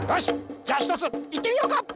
じゃあひとついってみようか！